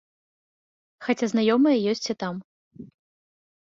Хаця знаёмыя ёсць і там.